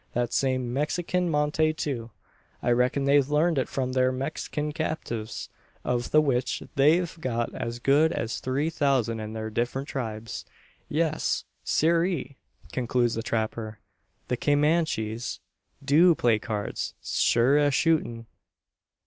That same Mexikin montay too. I reckon they've larned it from thar Mexikin captives; of the which they've got as good as three thousand in thar different tribes. Yes, sirree!" concludes the trapper. "The Keymanchees do play cards sure as shootin'."